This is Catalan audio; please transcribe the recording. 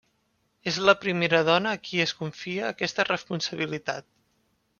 És la primera dona a qui es confia aquesta responsabilitat.